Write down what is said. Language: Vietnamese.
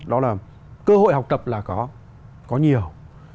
đó là cơ hội học tập là có có nhiều